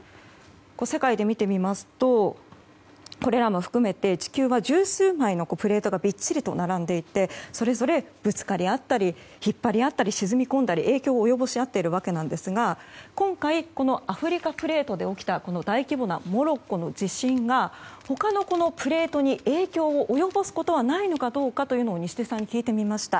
世界で見てみますとこれらも含めて地球は十数枚のプレートがびっちりと並んでいてそれぞれ、ぶつかり合ったり引っ張り合ったり沈み込んだり影響を及ぼし合っているわけなんですが今回、アフリカプレートで起きた大規模なモロッコの地震が他のプレートに影響を及ぼすことはないのかということを西出さんに聞いてみました。